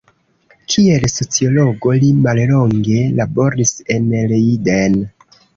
Kiel sociologo li mallonge laboris en Leiden.